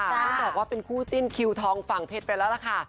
ต้องบอกว่าเป็นคู่จิ้นคิวทองฝั่งเพชรไปแล้วล่ะค่ะ